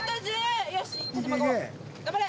頑張れ！